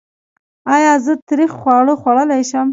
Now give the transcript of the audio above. ایا زه تریخ خواړه خوړلی شم؟